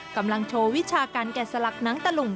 กำลังโชว์วิชาการแกะสลักหนังตะลุง